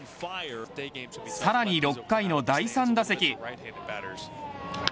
さらに６回の第３打席。